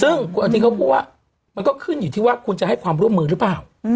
ซึ่งคุณอนุทินเขาพูดว่ามันก็ขึ้นอยู่ที่ว่าคุณจะให้ความร่วมมือหรือเปล่า